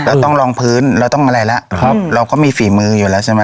เราต้องลองพื้นเราต้องอะไรแล้วครับเราก็มีฝีมืออยู่แล้วใช่ไหม